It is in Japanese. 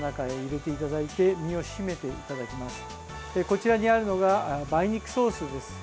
こちらにあるのが梅肉ソースです。